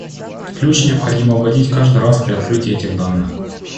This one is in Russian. Ключ необходимо вводить каждый раз при открытии этих данных